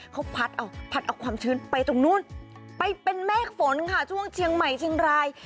เขาพัดเอาพัดเอาความชื้นไปตรงนู้นไปเป็นเมฆฝนค่ะช่วงเชียงใหม่เชียงราย